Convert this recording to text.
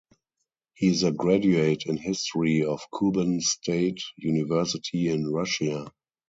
He is a graduate in history of Kuban State University in Russia.